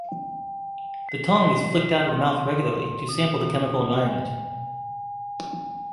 The tongue is flicked out of the mouth regularly to sample the chemical environment.